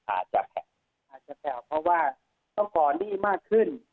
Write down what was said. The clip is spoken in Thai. อาจจะแข็งอาจจะแข็งเพราะว่าต้องก่อนดีมากขึ้น